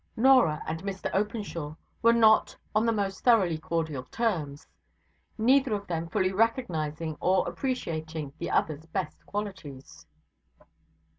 Norah and Mr Openshaw were not on the most thoroughly cordial terms; neither of them fully recognizing or appreciating the other's best qualities.